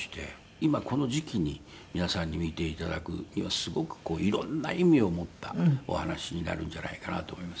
今この時期に皆さんに見ていただくにはすごくこういろんな意味を持ったお話になるんじゃないかなと思います。